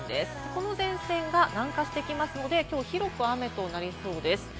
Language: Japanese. この前線が南下してきますので、きょうは広く雨となりそうです。